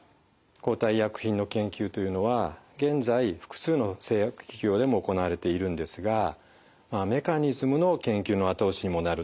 抗体医薬品の研究というのは現在複数の製薬企業でも行われているんですがメカニズムの研究の後押しにもなると考えられます。